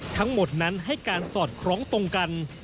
ทั้งหมดนั้นให้การสอดคล้องตรงกัน